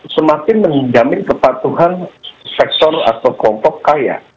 semakin menjamin kepatuhan sektor atau kelompok kaya